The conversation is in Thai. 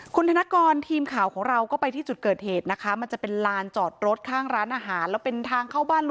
คุณธนักรทีมข่าวของเราก็ไปที่จุดเกิดเหตุนะคะ